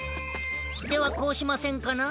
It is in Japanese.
ではこうしませんかな？